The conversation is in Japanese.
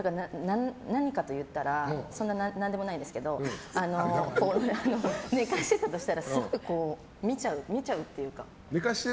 何かと言ったらそんな何でもないんですけど寝かしてたとしたらすごく見ちゃうというか。